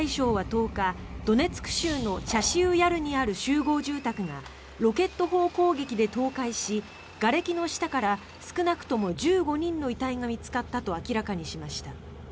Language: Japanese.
ウクライナ非常事態省は１０日ドネツク州のチャシウ・ヤルにある集合住宅がロケット砲攻撃で倒壊しがれきの下から少なくとも１５人の遺体が見つかったと明らかにしました。